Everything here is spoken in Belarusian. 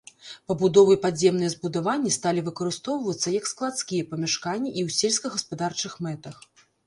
Пабудовы і падземныя збудаванні сталі выкарыстоўвацца як складскія памяшканні і ў сельскагаспадарчых мэтах.